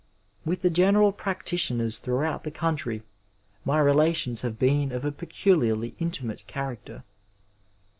With the general practitioners throughout the country my relations have been of a peculiarly intimate character.